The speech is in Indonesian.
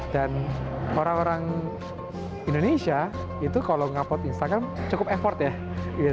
dan orang orang indonesia itu kalau mengupload instagram cukup effort ya